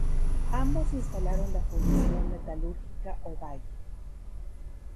Ambos instalaron la Fundición Metalúrgica Ovalle.